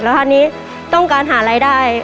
แล้วคราวนี้ต้องการหารายได้